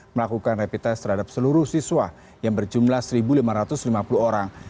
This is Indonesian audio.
melakukan rapid test terhadap seluruh siswa yang berjumlah satu lima ratus lima puluh orang